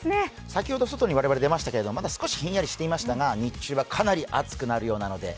先ほど外に我々出ましたけど、まだ少しひんやりしていましたが日中はかなり暑くなるようなので。